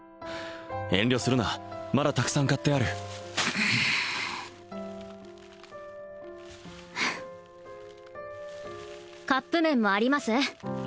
遠慮するなまだたくさん買ってあるカップ麺もあります？